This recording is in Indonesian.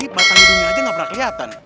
ini batang hidungnya aja gak pernah keliatan